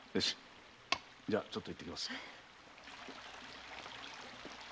じゃあちょっと行ってきます。